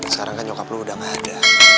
sekarang kan nyokap dulu udah gak ada